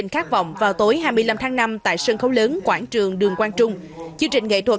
khát vọng vào tối hai mươi năm tháng năm tại sân khấu lớn quảng trường đường quang trung chương trình nghệ thuật